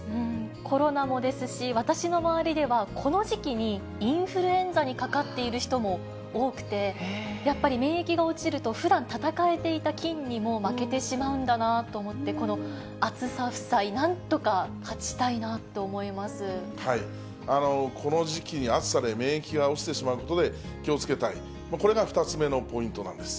コロナもですし、私の周りでは、この時期に、インフルエンザにかかっている人も多くて、やっぱり免疫が落ちると、ふだん、闘えていた菌にも負けてしまうんだなと思って、この暑さ負債、この時期に暑さで免疫が落ちてしまうことで、気をつけたい、これが２つ目のポイントなんです。